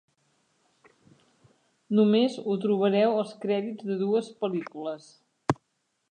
Només ho trobareu als crèdits de dues pel·lícules.